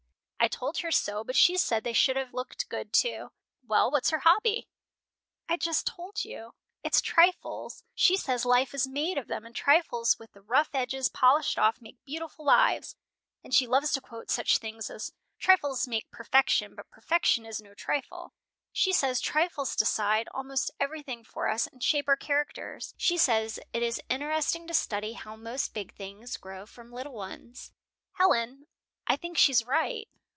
I told her so, but she said they should have looked good, too." "Well, what's her hobby?" "I just told you. It's trifles. She says life is made of them, and trifles with the rough edges polished off make beautiful lives. And she loves to quote such things as, 'Trifles make perfection, but perfection is no trifle.' She says trifles decide almost everything for us, and shape our characters. She says it is interesting to study how most big things grow from little ones. "Helen, I think she's right."